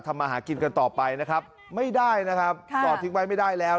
มาหากินกันต่อไปนะครับไม่ได้นะครับจอดทิ้งไว้ไม่ได้แล้ว